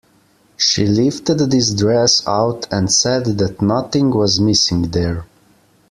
She lifted this dress out and said that nothing was missing there.